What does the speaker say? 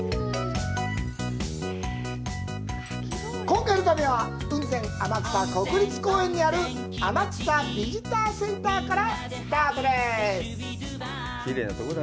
今回の旅は雲仙天草国立公園にある天草ビジターセンターからスタートです。